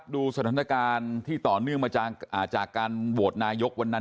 ดูสถานการณ์ที่ต่อเนื่องมาจากการโหวตนายกวันนั้น